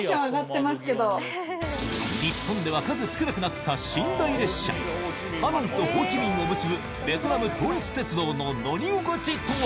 日本では数少なくなった寝台列車ハノイとホーチミンを結ぶベトナム統一鉄道の乗り心地とは？